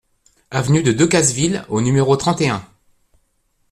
Avenue de Decazeville au numéro trente et un